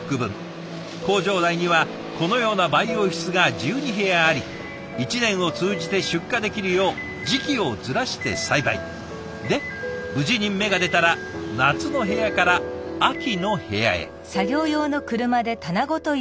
工場内にはこのような培養室が１２部屋あり一年を通じて出荷できるよう時期をずらして栽培。で無事に芽が出たら夏の部屋から秋の部屋へ。